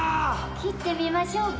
切ってみましょうか。